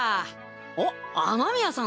あっ雨宮さん